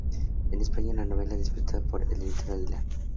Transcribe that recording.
En España la novela fue distribuida por Editorial Aguilar.